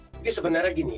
jadi sebenarnya gini